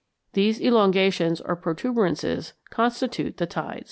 These elongations or protuberances constitute the tides.